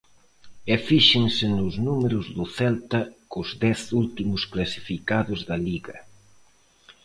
E fíxense nos números do Celta cos dez últimos clasificados da Liga.